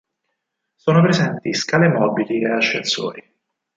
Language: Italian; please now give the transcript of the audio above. Sono presenti scale mobili e ascensori.